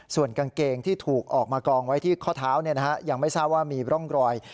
ส่วนกางเกงที่ถูกออกมากองไว้ที่ข้อเท้ายังไม่ทราบว่ามีร่องรอย